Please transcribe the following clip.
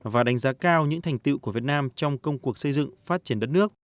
và đánh giá cao những thành tựu của việt nam trong công cuộc xây dựng phát triển đất nước